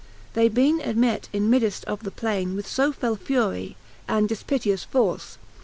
They bene ymett in middeft of the plaine, With fb fell fury, and difpiteous forle.